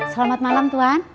selamat malam tuan